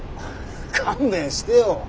勘弁してよ。